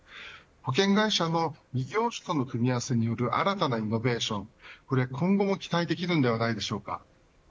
保険会社の異業種との組み合わせによる新たなイノベーション、これ今後も期待できるのではないでしょうか。